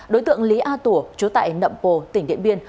đối tượng lý a tủa chú tại nậm pồ tỉnh điện biên